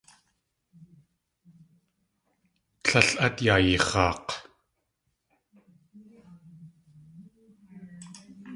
Líl át yayix̲aak̲!